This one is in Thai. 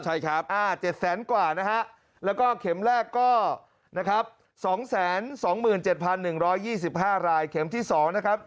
ใช่ครับเจ็ดแสนกว่านะฮะแล้วก็เข็มแรกก็